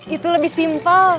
itu lebih simpel